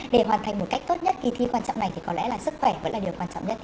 để hoàn thành một cách tốt nhất kỳ thi quan trọng này thì có lẽ là sức khỏe vẫn là điều quan trọng nhất